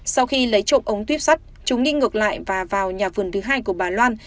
sau khi lấy trộm ống tuyếp sắt chúng đi ngược lại và vào nhà vườn thứ hai của bà loan